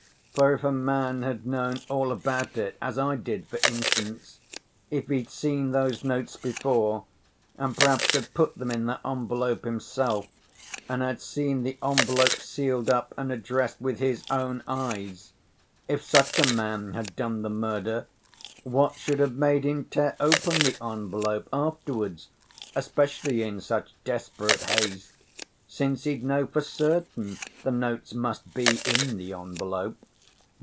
For if a man had known all about it, as I did for instance, if he'd seen those notes before, and perhaps had put them in that envelope himself, and had seen the envelope sealed up and addressed, with his own eyes, if such a man had done the murder, what should have made him tear open the envelope afterwards, especially in such desperate haste, since he'd know for certain the notes must be in the envelope?